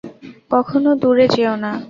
কখনো দূরে যেওনা।